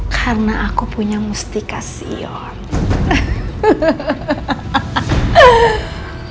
karena aku punya mustikasion